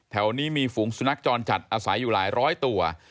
แถวนี้มีฝูงสุนัขจรจัดอาศัยอยู่หลายร้อยตัว